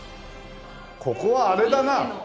ここはあれだな。